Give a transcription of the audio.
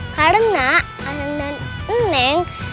karena anang dan neng